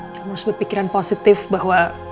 kamu harus berpikiran positif bahwa